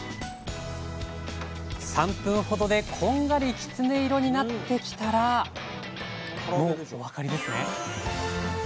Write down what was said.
３分ほどでこんがりキツネ色になってきたらもうお分かりですね？